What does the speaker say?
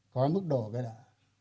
có mức độ cái đó